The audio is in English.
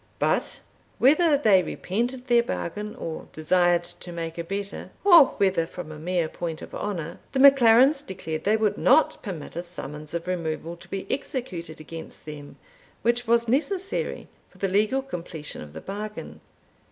But whether they repented their bargain, or desired to make a better, or whether from a mere point of honour, the MacLarens declared they would not permit a summons of removal to be executed against them, which was necessary for the legal completion of the bargain.